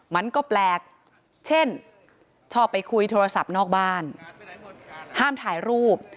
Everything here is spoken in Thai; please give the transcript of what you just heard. มันก็แปลกเช่นชอบไปคุยโทรศัพท์นอกบ้านห้ามถ่ายรูป